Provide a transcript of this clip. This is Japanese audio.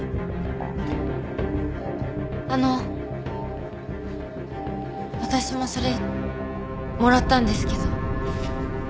あの私もそれもらったんですけど。